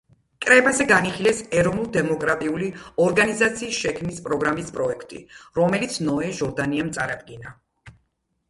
კრებაზე განიხილეს ეროვნულ-დემოკრატიული ორგანიზაციის შექმნის პროგრამის პროექტი, რომელიც ნოე ჟორდანიამ წარადგინა.